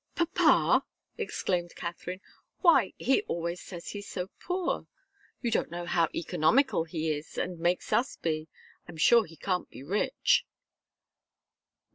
"Papa!" exclaimed Katharine. "Why he always says he's so poor! You don't know how economical he is, and makes us be. I'm sure he can't be rich."